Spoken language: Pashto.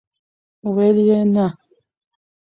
ویل یې، نه!!!